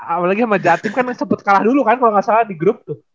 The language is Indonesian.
apalagi sama jatim kan sempet kalah dulu kan kalo ga salah di grup tuh